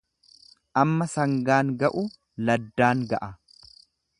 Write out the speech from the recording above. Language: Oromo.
Amma sangaan ga'u laddaan ga'a.